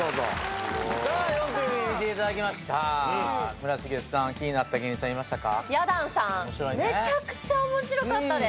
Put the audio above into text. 村重さん気になった芸人さんいましたか？